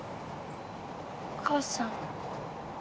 お母さん。